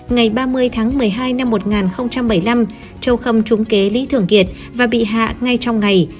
ngày ba mươi tháng một mươi hai năm một nghìn bảy mươi năm châu khâm trúng kế lý thường kiệt và bị hạ ngay trong ngày